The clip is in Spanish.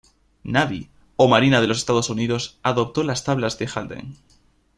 Navy o marina de los Estados Unidos, adoptó las tablas de Haldane.